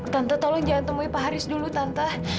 tante tolong jangan temui pak haris dulu tante